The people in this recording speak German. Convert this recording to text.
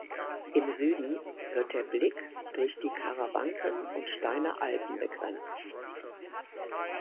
Im Süden wird der Blick durch die Karawanken und Steiner Alpen begrenzt.